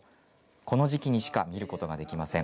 この時期にしか見ることができません。